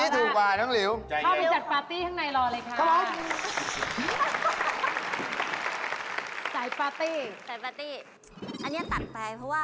ทั้งเหรียว